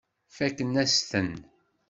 Fakken-as-ten.